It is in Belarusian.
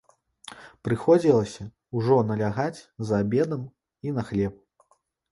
Прыходзілася ўжо налягаць за абедам і на хлеб.